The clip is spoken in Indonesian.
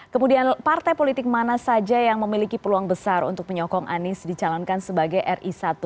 kemudian partai politik mana saja yang memiliki peluang besar untuk menyokong anies dicalonkan sebagai ri satu